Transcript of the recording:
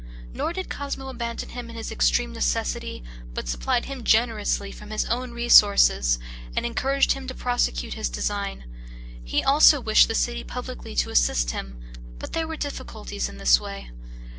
Nor did Cosmo abandon him in his extreme necessity, but supplied him generously from his own resources, and encouraged him to prosecute his design. He also wished the city publicly to assist him, but there were difficulties in the way.